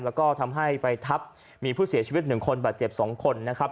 แล้วก็ทำให้ไปทับมีผู้เสียชีวิต๑คนบาดเจ็บ๒คนนะครับ